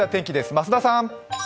増田さん。